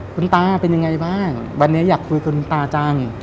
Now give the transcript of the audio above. คุณตาเป็นยังไงบ้างวันนี้อยากคุยกับคุณตาจัง